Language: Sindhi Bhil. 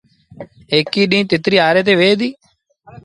ايڪيٚ ڏيٚݩهݩ تتريٚ آري تي ويه ديٚ۔